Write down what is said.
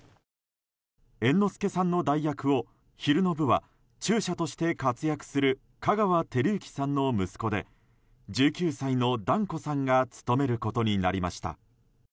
猿之助さんの代役を、昼の部は中車として活躍する香川照之さんの息子で１９歳の團子さんが務めることになりました。